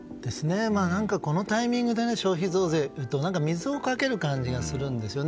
何か、このタイミングで消費増税と言うと水をかける感じがするんですよね。